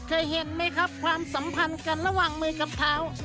เคยเห็นไหมครับความสัมพันธ์กันระหว่างมือกับเท้า